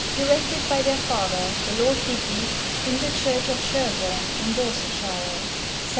ERECTED BY THEIR FATHER THE LORD DIGBY, IN THE CHURCH OF SHERBORNE, IN DORSETSHIRE, 1727.